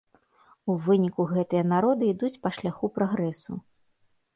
У выніку гэтыя народы ідуць па шляху прагрэсу.